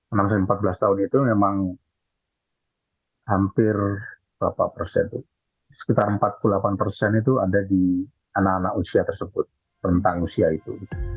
anak anak empat belas tahun itu memang hampir empat puluh delapan itu ada di anak anak usia tersebut rentang usia itu